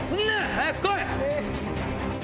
早く来い！